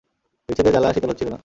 বিচ্ছেদের জ্বালা শীতল হচ্ছিল না।